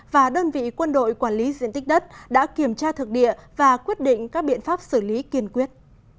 và đơn vị quân đội quản lý diện tích đất đã kiểm tra thực địa và quyết định các biện pháp xử lý kiên quyết